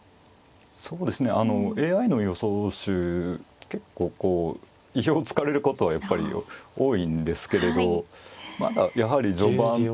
そうですねＡＩの予想手結構こう意表つかれることはやっぱり多いんですけれどまだやはり序盤ということで。